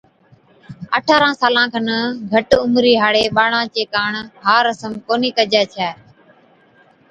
اٺارھان سالان کن گھٽ عمرِي ھاڙي ٻاڙان چي ڪاڻ ھا رسم ڪونھِي ڪجَي ڇَي